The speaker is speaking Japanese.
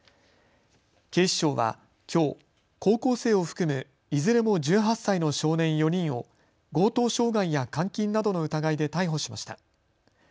警視庁は、きょう高校生を含むいずれも１８歳の少年４人を強盗傷害や監禁などの疑いで逮捕しました。